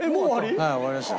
はい終わりました。